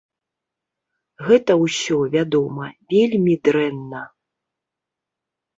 Гэта ўсё, вядома, вельмі дрэнна.